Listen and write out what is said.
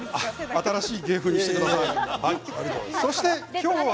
新しい芸風にしてください。